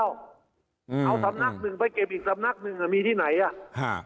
เอาสำนักหนึ่งไปเก็บอีกสำนักหนึ่งอ่ะมีที่ไหนอ่ะฮะ